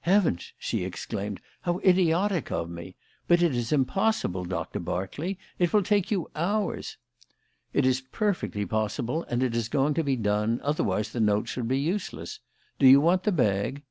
"Heavens!" she exclaimed. "How idiotic of me! But it is impossible, Doctor Berkeley! It will take you hours!" "It is perfectly possible, and it is going to be done; otherwise the notes would be useless. Do you want the bag?"